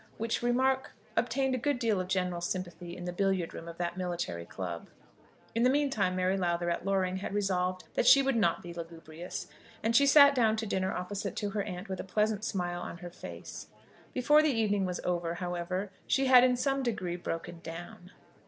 Which remark obtained a good deal of general sympathy in the billiard room of that military club. In the meantime Mary Lowther at Loring had resolved that she would not be lugubrious, and she sat down to dinner opposite to her aunt with a pleasant smile on her face. Before the evening was over, however, she had in some degree broken down.